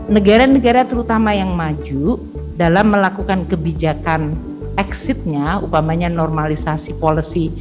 negara negara terutama yang maju dalam melakukan kebijakan exitnya upamanya normalisasi policy